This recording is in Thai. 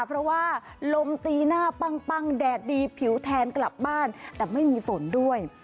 เพราะว่าลมตีหน้าปั้งแดดดีผิวแทนกลับบ้านแต่ไม่มีฝนด้วย